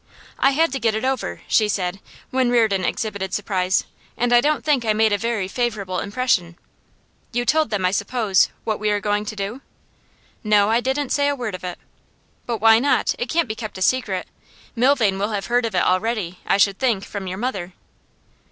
'I had to get it over,' she said, when Reardon exhibited surprise, 'and I don't think I made a very favourable impression.' 'You told them, I suppose, what we are going to do?' 'No; I didn't say a word of it.' 'But why not? It can't be kept a secret. Milvain will have heard of it already, I should think, from your mother.